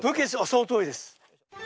そのとおりです。